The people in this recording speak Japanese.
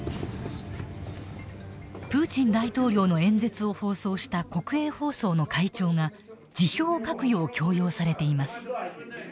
プーチン大統領の演説を放送した国営放送の会長が辞表を書くよう強要されています。